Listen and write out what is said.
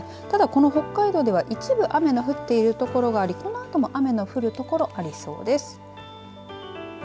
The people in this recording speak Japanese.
ただ、この北海道では一部雨が降っている所がありこのあとも雨の降る所ありそうです。